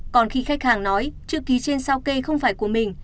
còn khi khách hàng nói chữ ký trên sao kê không phải của mình